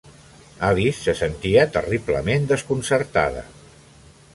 Alice se sentia terriblement desconcertada.